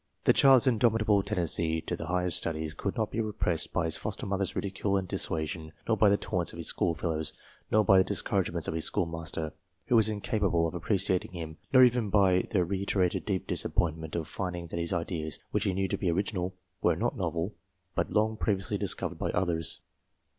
The child's indomitable tendency to the higher studies, could not be repressed by his foster mother's ridicule and dissuasion, nor by the taunts of his schoolfellows, nor by the discouragements of his schoolmaster, who was incapable of appreciating him, nor even by the reiterated deep disappointment of finding that his ideas, which he knew to be original, were not novel, but long previously discovered by others.